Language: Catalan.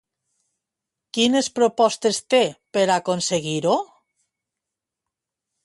Quines propostes té per aconseguir-ho?